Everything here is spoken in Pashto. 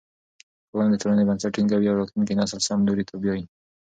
ښوونه د ټولنې بنسټ ټینګوي او راتلونکی نسل سم لوري ته بیايي.